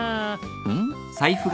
うん？